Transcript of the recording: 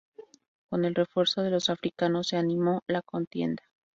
Con el refuerzo de los africanos se animó la contienda.